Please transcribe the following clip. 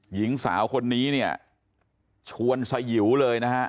หญิงสาวคนนี้เนี่ยชวนสยิวเลยนะฮะ